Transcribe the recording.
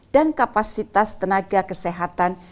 dan kapasitas tenaga kesehatan